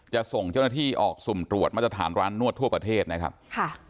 ส่งเจ้าหน้าที่ออกสุ่มตรวจมาตรฐานร้านนวดทั่วประเทศนะครับค่ะ